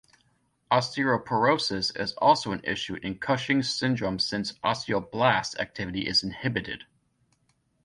Osteoporosis is also an issue in Cushing's syndrome since osteoblast activity is inhibited.